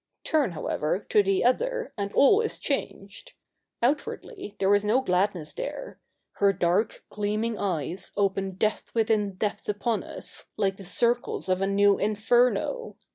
Turn, however, to the other, and all is changed. Outwardly, there is no gladness there. Her dark, gleaming eyes open depth within depth upon us, like the circles of a new Inferno.